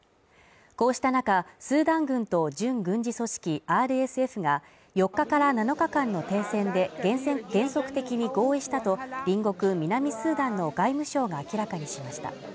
こうした中、スーダン軍と準軍事組織ＲＳＦが４日から７日間の停戦で原則的に合意したと隣国南スーダンの外務省が明らかにしました。